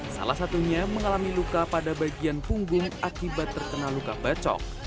salah satunya mengalami luka pada bagian punggung akibat terkena luka bacok